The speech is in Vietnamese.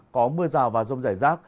có mưa rào và rông rải rác